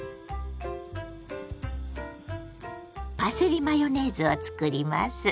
パセリマヨネーズを作ります。